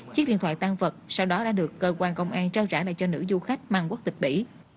chiếc điện thoại tan vật sau đó đã được cơ quan công an trao trả lại cho nữ du khách mang quốc tịch mỹ